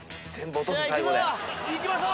いきましょう！